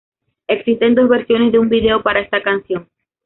Existen dos versiones de un vídeo para esta canción.